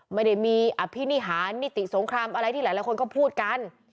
ไม่ได้มีอภินิหารนิติสงครามอะไรที่หลายคนก็พูดกัน